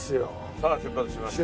さあ出発しました。